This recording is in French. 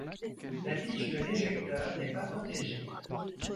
La tige de l'éjecteur n'est pas protégée.